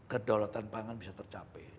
kedaulatan pangan bisa tercapai